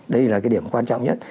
đây là cái điểm quan trọng nhất